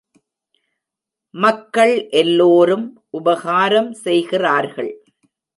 மக்கள் எல்லோரும் உபகாரம் செய்கிறார்கள்.